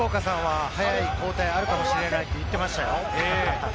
福岡さんは早い交代あるかもしれないって言ってましたよ。